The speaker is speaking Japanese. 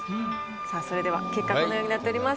さあそれでは結果このようになっております。